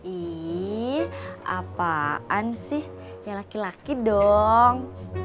ini apaan sih ya laki laki dong